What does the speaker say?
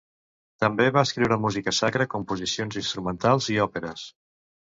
També va escriure música sacra, composicions instrumentals i òperes.